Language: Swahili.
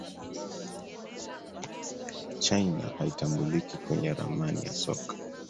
china haitambuliki kwenye ramani ya soka